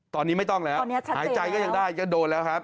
ตอนนี้ไม่ต้องแล้วหายใจก็ยังได้จะโดนแล้วครับ